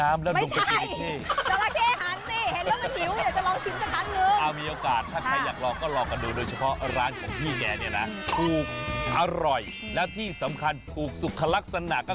มีออย่อระปรองอร่อยสะอาดและปลอดภัยนะคะ